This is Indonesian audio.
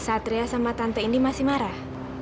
satria sama tante ini masih marah